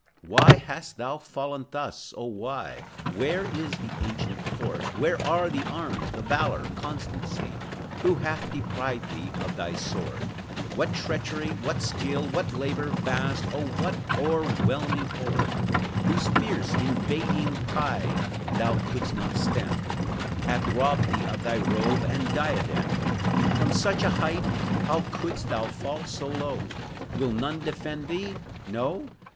Why hast thou fallen thus, oh, why? Where is the ancient force? Where are the arms, the valor, constancy? Who hath deprived thee of thy sword? What treachery, what skill, what labor vast, Or what o'erwhelming horde Whose fierce, invading tide, thou could'st not stem, Hath robbed thee of thy robe and diadem? From such a height how couldst thou fall so low? Will none defend thee? No?